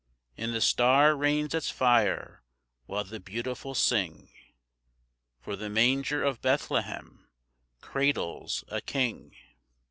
And the star rains its fire while the Beautiful sing, For the manger of Bethlehem cradles a king.